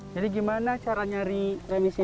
jadi gimana cara nyari remis ini